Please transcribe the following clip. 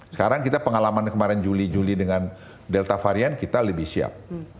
sekarang kita pengalaman kemarin juli juli dengan delta varian kita lebih siap